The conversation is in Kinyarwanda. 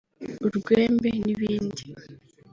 urwembe n’ ibindi